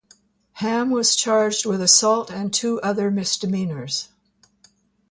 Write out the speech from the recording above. Hamm was charged with assault and two other misdemeanors.